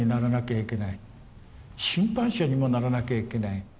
審判者にもならなきゃいけない。